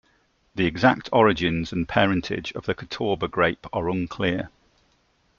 The exact origins and parentage of the Catawba grape are unclear.